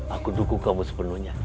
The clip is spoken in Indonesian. aku dukung kamu sepenuhnya